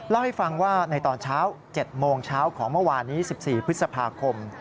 เล่าให้ฟังว่าในตอนเช้า๗โมงเช้าของเมื่อวานนี้๑๔พฤษภาคม